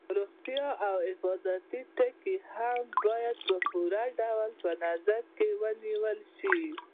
روغتیا او حفاظتي ټکي هم باید په پوره ډول په نظر کې ونیول شي.